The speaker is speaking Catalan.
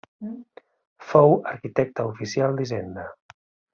Fou arquitecte oficial d’Hisenda.